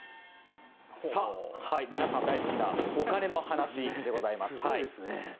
皆さん大好きなお金の話でございます。